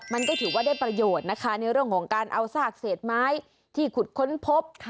มันก็ถือว่าได้ประโยชน์นะคะในเรื่องของการเอาซากเศษไม้ที่ขุดค้นพบ